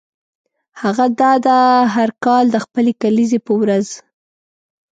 هغه دا ده هر کال د خپلې کلیزې په ورځ.